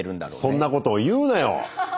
そんなことを言うなよ！